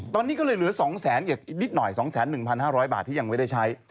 ตอนนี้ก็เลยเหลือ๒๐๐๐๐๐บาทอย่างนิดหน่อย๒๐๐๐๐๐๑๕๐๐บาทที่ยังไม่ได้ใช้